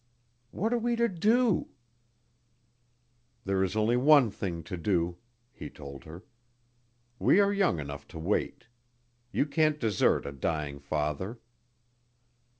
What are we to do?" "There is only one thing to do," he told her. "We are young enough to wait. You can't desert a dying father."